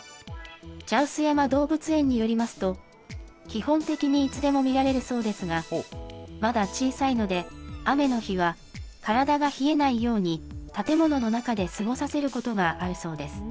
茶臼山動物園によりますと、基本的にいつでも見られるそうですが、まだ小さいので、雨の日は、体が冷えないように、建物の中で過ごさせることがあるそうです。